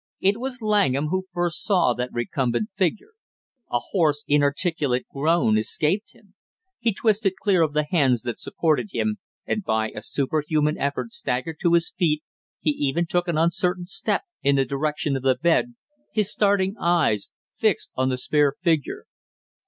It was Langham who first saw that recumbent figure. A hoarse inarticulate groan escaped him. He twisted clear of the hands that supported him and by a superhuman effort staggered to his feet, he even took an uncertain step in the direction of the bed, his starting eyes fixed on the spare figure.